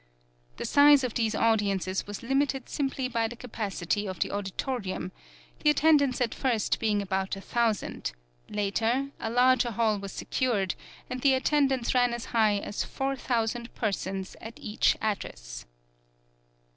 The size of these audiences was limited simply by the capacity of the auditorium, the attendance at first being about a thousand; later, a larger hall was secured and the attendance ran as high as four thousand persons at each address.